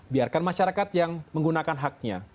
biarkan masyarakat yang menggunakan haknya